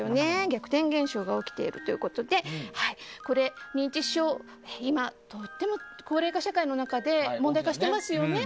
逆転現象が起きているということで認知症は今とっても高齢化社会の中で問題化してますよね。